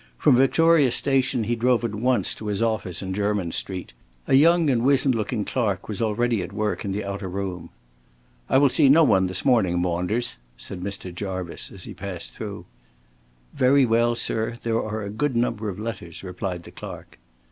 From Victoria Station he drove at once to his office in Jermyn Street. A young and wizened looking clerk was already at work in the outer room. "I will see no one this morning, Maunders," said Mr. Jarvice as he pressed through. "Very well, sir. There are a good number of letters," replied the clerk.